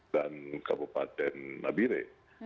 dan kabupaten nabire